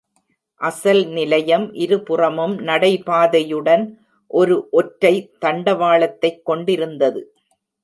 அசல் நிலையம் இருபுறமும் நடை பாதையுடன் ஒரு ஒற்றை தண்டவாளத்தை கொண்டிருந்தது.